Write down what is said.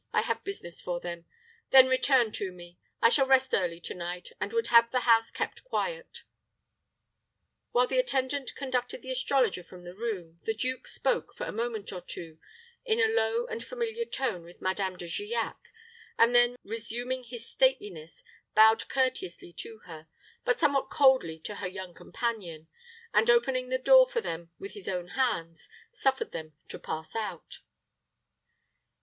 I have business for them. Then return to me. I shall rest early to night, and would have the house kept quiet." While the attendant conducted the astrologer from the room, the duke spoke, for a moment or two, in a low and familiar tone with Madame De Giac, and then, resuming his stateliness, bowed courteously to her, but somewhat coldly to her young companion, and, opening the door for them with his own hands, suffered them to pass out.